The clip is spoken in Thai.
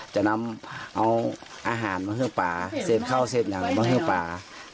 จะนำเอาอาหารรสของป่าเสร็จเข้าเสร็จหนังรสของป่า